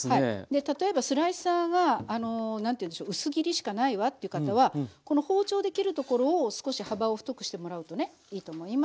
例えばスライサーが何というんでしょう薄切りしかないわという方はこの包丁で切るところを少し幅を太くしてもらうとねいいと思います。